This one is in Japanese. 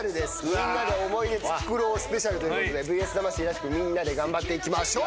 みんなで思い出作ろうスペシャルということで『ＶＳ魂』らしくみんなで頑張っていきましょう！